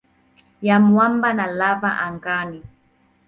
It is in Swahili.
ya mwamba na lava angani.